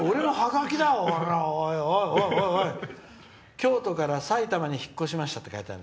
「京都から埼玉に引っ越しました」って書いてある。